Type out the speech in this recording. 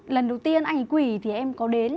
lần đầu tiên anh ấy quỳ thì em có đến